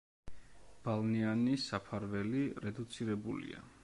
ბალნიანი საფარველი რედუცირებულია.